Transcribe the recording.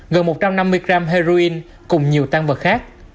gần một trăm năm mươi gram heroin cùng nhiều tăng vật khác